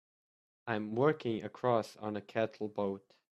I'm working across on a cattle boat.